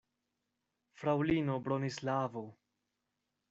Fraŭlino Bronislavo!